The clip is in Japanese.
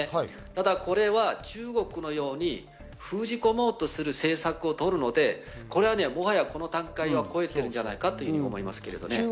ただこれは中国のように封じ込もうとする政策をとるので、これはもはや、この段階は超えているんじゃないかなと思いますけれどね。